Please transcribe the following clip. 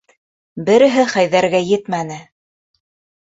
Береһе Хәйҙәргә етмәне!